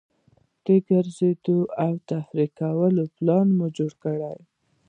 د ګرځېدو او تفریح کولو پلان مو جوړ کړ.